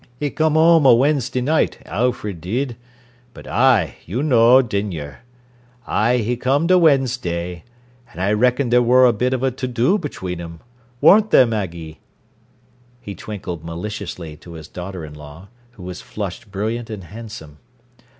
'E come whoam a Wednesday night, Alfred did. But ay, you knowed, didna yer. Ay, 'e comed 'a Wednesday an' I reckon there wor a bit of a to do between 'em, worn't there, Maggie?" He twinkled maliciously to his daughter in law, who was flushed brilliant and handsome.